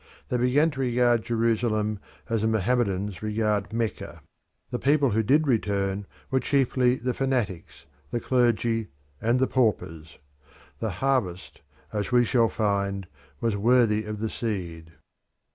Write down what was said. They began to regard Jerusalem as the Mohammedans regard Mecca. The people who did return were chiefly the fanatics, the clergy, and the paupers. The harvest, as we shall find was worthy of the seed.